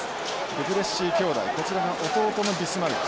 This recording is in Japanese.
デュプレシー兄弟こちらが弟のビスマルク。